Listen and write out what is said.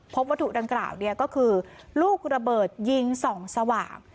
พบวัตถุดังกล่าวก็คือลูกระเบิดยิงส่องสว่าง